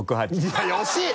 いや惜しい！